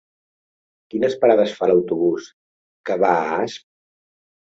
Quines parades fa l'autobús que va a Asp?